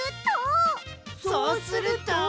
そうすると。